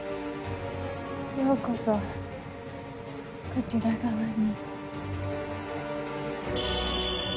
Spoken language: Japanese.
ようこそこちら側に。